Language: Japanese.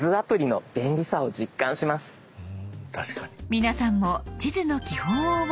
皆さんも地図の基本を覚えましょう。